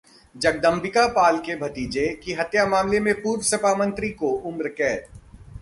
जगदंबिका पाल के भतीजे की हत्या मामले में पूर्व सपा मंत्री को उम्रकैद